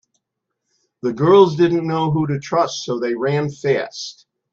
The girls didn’t know who to trust so they ran fast.